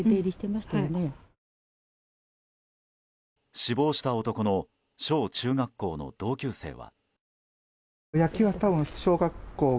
死亡した男の小中学校の同級生は。